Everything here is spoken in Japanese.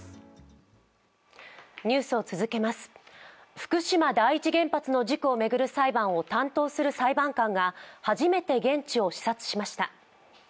福島第一原発の事故を巡る裁判を担当する裁判官が初めて現地を視察しました。